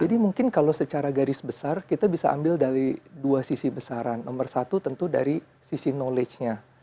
jadi mungkin kalau secara garis besar kita bisa ambil dari dua sisi besaran nomor satu tentu dari sisi knowledge nya